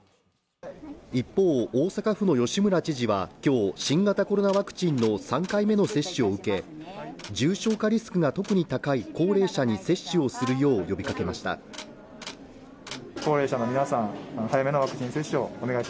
一方、大阪府の吉村知事は今日、新型コロナワクチンの３回目の接種を受け、重症化リスクが特に高い高齢者に接種をするよう呼びかけました。